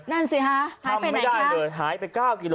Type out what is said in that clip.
นั่นสิฮะหายไปไหนครับทำไมได้เลยหายไป๙กิโลกรัม